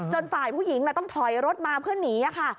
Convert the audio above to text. ฝ่ายผู้หญิงต้องถอยรถมาเพื่อหนีค่ะ